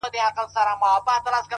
زما په ذهن كي تصوير جوړ كړي!!